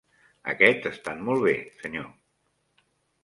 Aquests estan molt bé, senyor.